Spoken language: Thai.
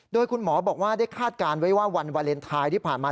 โดยคุณหมอบอกว่าได้คาดการณ์ไว้ว่าวันวาเลนไทยที่ผ่านมา